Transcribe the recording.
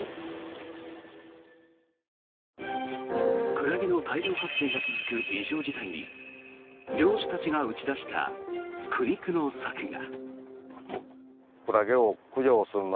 クラゲの大量発生が続く異常事態に漁師たちが打ち出した苦肉の策が。